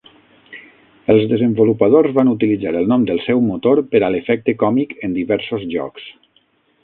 Els desenvolupadors van utilitzar el nom del seu motor per a l'efecte còmic en diversos jocs.